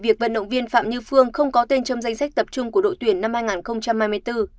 việc vận động viên phạm như phương không có tên trong danh sách tập trung của đội tuyển năm hai nghìn hai mươi bốn